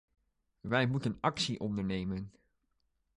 Wij moeten actie ondernemen.